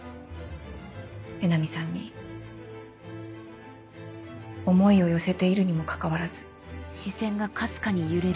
江波さんに思いを寄せているにもかかわらず。